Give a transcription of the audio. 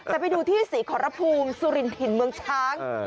แต่ไปดูที่ศรีขอรภูมิสุรินถิ่นเมืองช้าง